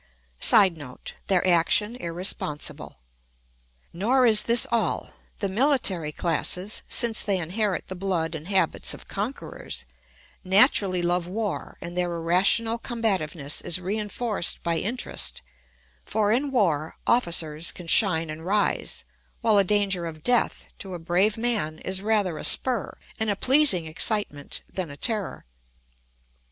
[Sidenote: Their action irresponsible.] Nor is this all: the military classes, since they inherit the blood and habits of conquerors, naturally love war and their irrational combativeness is reinforced by interest; for in war officers can shine and rise, while the danger of death, to a brave man, is rather a spur and a pleasing excitement than a terror.